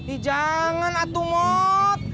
ih jangan atumot